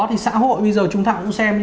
thì xã hội bây giờ chúng ta cũng xem